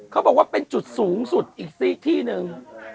เขาบอกว่าเป็นจุดสูงสุดอีกที่หนึ่ง